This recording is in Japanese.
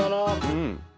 うん。